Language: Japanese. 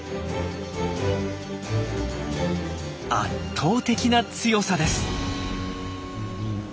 圧倒的な強さです。